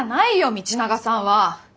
道永さんは。